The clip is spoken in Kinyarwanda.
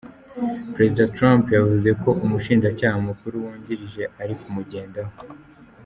Perezida Trump yavuze ko umushinjacyaha mukuru wungirije ari kumugendaho.